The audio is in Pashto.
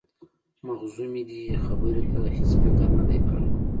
مخزومي دې خبرې ته هیڅ فکر نه دی کړی.